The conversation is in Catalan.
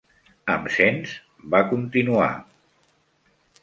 "Em sents?", va continuar.